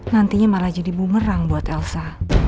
nantinya malah jadi bumerang buat elsa